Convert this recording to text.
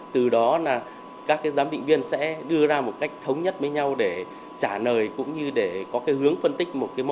từ đó là các giám định viên sẽ đưa ra một cách thống nhất với nhau để trả lời cũng như để có hướng phân tích một mẫu ma túy mới